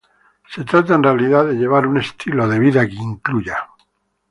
Se trata en realidad de llevar un estilo de vida que incluya